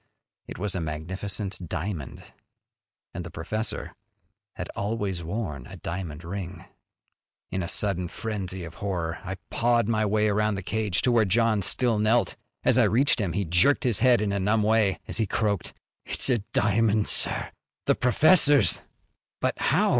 It was a magnificent diamond and the professor had always worn a diamond ring! In a sudden frenzy of horror I pawed my way around the cage to where John still knelt. As I reached him he jerked his head in a numb way as he croaked, "It's a diamond, sir! The professor's!" "But how?"